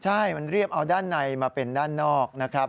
ใช่มันเรียบเอาด้านในมาเป็นด้านนอกนะครับ